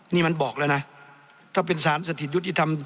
นี่มันบอกแล้วนะถ้าเป็นสารสถิตยุติธรรม